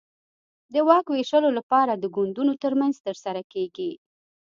د واک وېشلو لپاره د ګوندونو ترمنځ ترسره کېږي.